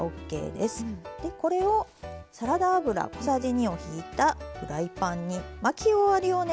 でこれをサラダ油小さじ２をひいたフライパンに巻き終わりをね